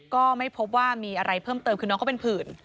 ก็ไม่พบว่ามีอะไรเพิ่มเติมคือน้องเขาเป็นผื่น